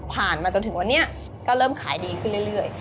มาจนถึงวันนี้ก็เริ่มขายดีขึ้นเรื่อย